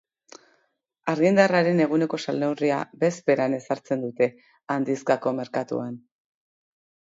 Argindarraren eguneko salneurria bezperan ezartzen dute handizkako merkatuan.